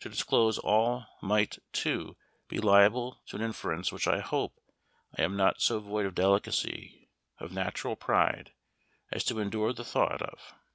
To disclose all might, too, be liable to an inference which I hope I am not so void of delicacy, of natural pride, as to endure the thought of.